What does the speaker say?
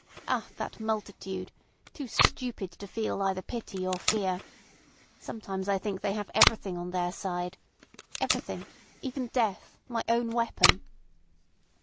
Ah! that multitude, too stupid to feel either pity or fear. Sometimes I think they have everything on their side. Everything—even death—my own weapon."